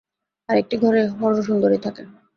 আর একটি ঘরে হরসুন্দরী থাকে।